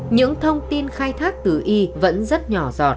những thông tin khai thác từ y vẫn rất nhỏ giọt